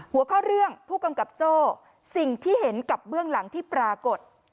หัวข้อเรื่องผู้กำกับโจ้สิ่งที่เห็นกับเบื้องหลังที่ปรากฏ